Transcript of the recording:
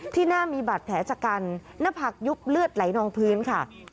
ที่หน้ามีบาดแผลชะกันหน้าผักยุบเลือดไหลนองพื้นค่ะ